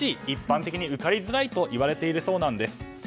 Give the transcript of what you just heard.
一般的に受かりづらいと言われているそうなんです。